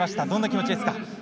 どんな気持ちですか？